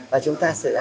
và chúng ta xử lý